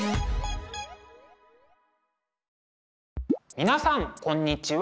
皆さんこんにちは。